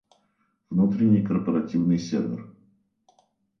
Внутренний корпоративный сервер